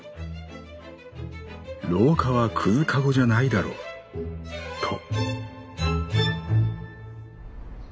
廊下は屑籠じゃないだろと」。